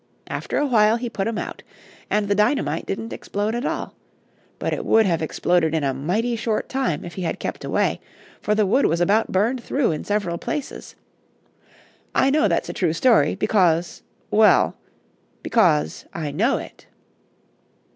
After a while he put 'em out, and the dynamite didn't explode at all; but it would have exploded in a mighty short time if he had kept away, for the wood was about burned through in several places. I know that's a true story, because, well because I know it."